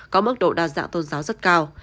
có mức độ đa dạng tôn giáo rất cao